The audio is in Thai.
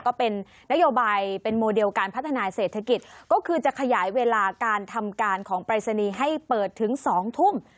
ก็เป็นนโยบายเป็นโมเดลการพัฒนาเศรษฐกิจก็คือจะขยายเวลาการทำการของปรายศนีย์ให้เปิดถึง๒ทุ่ม